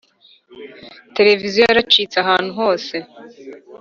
televiziyo yaracitse ahantu hose.